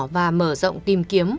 và mở rộng tìm kiếm